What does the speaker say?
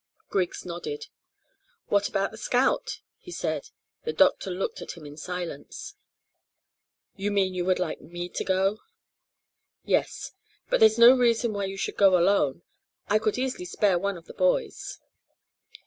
Griggs nodded. "What about the scout?" he said. The doctor looked at him in silence. "You mean you would like me to go?" "Yes, but there is no reason why you should go alone. I could easily spare one of the boys."